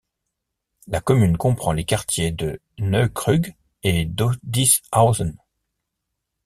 La commune comprend les quartiers de Neuekrug et d'Ödishausen.